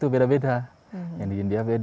beda beda yang di india